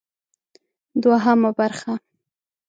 دوهمه برخه: